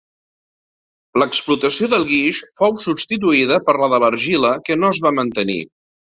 L'explotació del guix fou substituïda per la de l'argila que no es va mantenir.